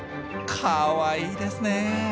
かわいいですね。